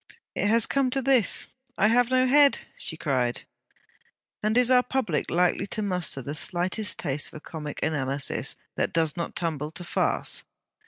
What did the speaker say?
'It has come to this I have no head,' she cried. And is our public likely to muster the slightest taste for comic analysis that does not tumble to farce?